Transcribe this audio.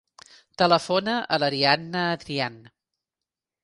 Telefona a l'Arianna Adrian.